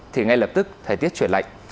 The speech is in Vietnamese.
thì ngay lập tức thời tiết chuyển lạnh